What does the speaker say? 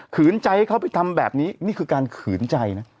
ใจให้เขาไปทำแบบนี้นี่คือการขืนใจนะ